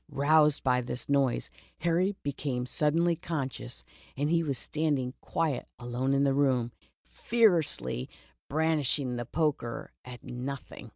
Roused by this noise, Harry became suddenly conscious that he was standing quite alone in the room, fiercely brandishing the poker at — nothing